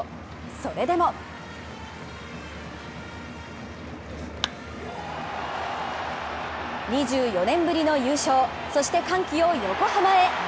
それでも２４年ぶりの優勝、そして歓喜を横浜へ。